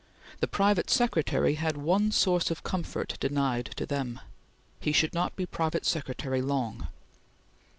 The private secretary had one source of comfort denied to them he should not be private secretary long.